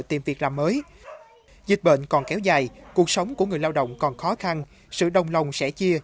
tìm việc làm mới dịch bệnh còn kéo dài cuộc sống của người lao động còn khó khăn sự đồng lòng sẽ chia